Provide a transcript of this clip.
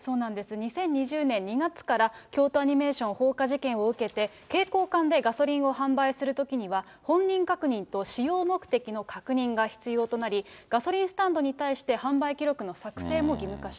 ２０２０年２月から、京都アニメーション放火事件を受けて、携行缶でガソリンを販売するときには本人確認と使用目的の確認が必要となり、ガソリンスタンドに対して販売記録の作成も義務化し